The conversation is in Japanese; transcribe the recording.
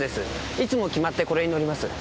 いつも決まってこれに乗ります。